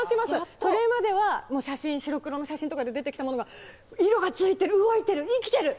それまでは写真白黒の写真とかで出てきたものが色がついてる動いてる生きてる！